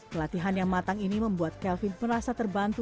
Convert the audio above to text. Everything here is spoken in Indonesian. pelatihan yang matang ini membuat kelvin merasa terbantu